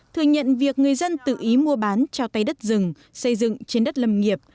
thừa nhận việc người dân tự ý mua bán trao tay đất rừng xây dựng trên đất lâm nghiệp